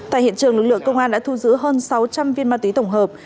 tại hiện trường lực lượng công an đã thu giữ hơn sáu trăm linh viên ma túy tổng hợp